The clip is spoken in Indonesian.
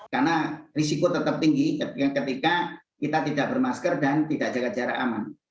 karena risiko tetap tinggi ketika kita tidak bermasker dan tidak jaga jarak aman